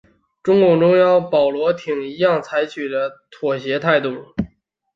中共中央和鲍罗廷一样采取了妥协态度。